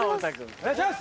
お願いします！